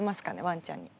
ワンちゃんに。